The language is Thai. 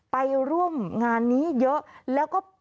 ไปร่วมงานนี้เยอะแล้วก็